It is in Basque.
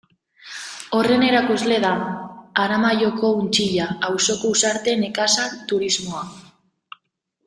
Horren erakusle da Aramaioko Untzilla auzoko Uxarte Nekazal Turismoa.